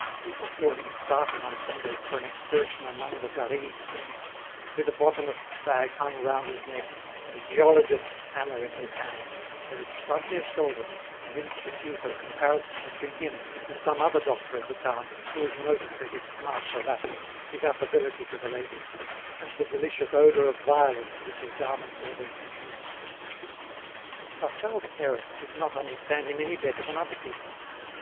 When people saw him starting on Sundays for an excursion among the Garrigues hills, with a botanist's bag hung round his neck and a geologist's hammer in his hand, they would shrug their shoulders and institute a comparison between him and some other doctor of the town who was noted for his smart cravat, his affability to the ladies, and the delicious odour of violets which his garments always diffused. Pascal's parents did not understand him any better than other people.